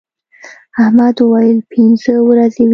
احمد وويل: پینځه ورځې وې.